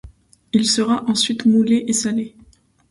Il sera ensuite moulé et salé.